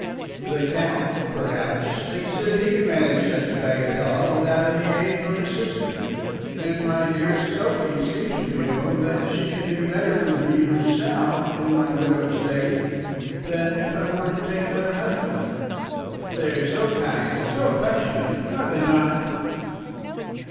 The count, perhaps, thinks that he can manage such a bagatelle without any aid from his sister; and my dearest Sophie seems to feel that she can do better with me herself in my widowed state, than if I were to take another husband. They are so kind and so affectionate; are they not?"